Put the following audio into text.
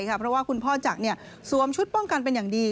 เพราะว่าคุณพ่อจักรสวมชุดป้องกันเป็นอย่างดี